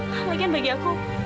lagian bagi aku